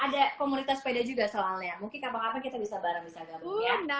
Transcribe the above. ada komunitas sepeda juga soalnya mungkin kapan kapan kita bisa bareng bisa gabung ya